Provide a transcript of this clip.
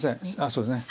そうですね。